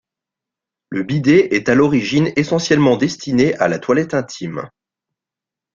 Le bidet est à l'origine essentiellement destiné à la toilette intime.